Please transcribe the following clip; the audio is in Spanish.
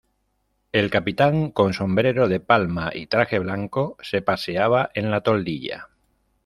el capitán, con sombrero de palma y traje blanco , se paseaba en la toldilla: